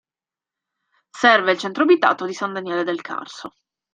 Serve il centro abitato di San Daniele del Carso.